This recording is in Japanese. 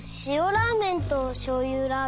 ラーメンとしょうゆラーメン